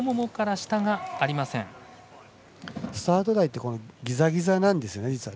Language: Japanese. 実はスタート台ってギザギザなんです。